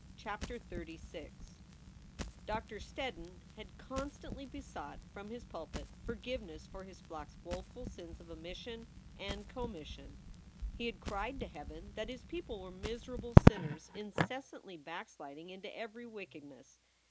CHAPTER XXXVI DOCTOR STEDDON had constantly besought from his pulpit forgiveness for his flock s woeful sins of omission and commission. He had cried to heaven that his people were miserable sinners incessantly backsliding into every wickedness.